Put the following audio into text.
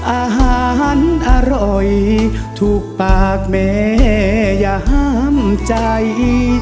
อาหารอร่อยถูกปากแม่อย่าห้ามใจ